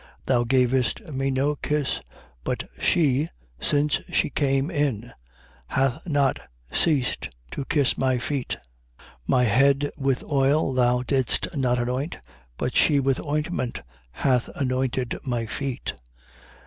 7:45. Thou gavest me no kiss. But she, since she cane in, hath not ceased to kiss my feet. 7:46. My head with oil thou didst not anoint. But she with ointment hath anointed my feet.